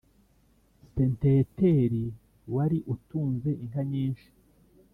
senteteri wari utunze inka nyinshi